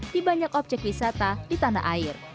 di banyak objek wisata di tanah air